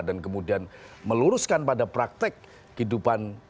dan kemudian meluruskan pada praktek kehidupan